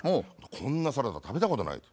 「こんなサラダ食べたことない」って。